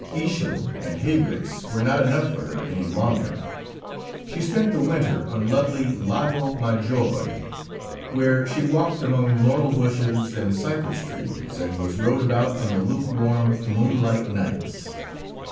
Ischl and hayricks were not enough for her any longer; she spent the winter on lovely Lago Maggoire, where she walked among laurel bushes and cypress trees, and was rowed about on the luke warm, moonlight nights.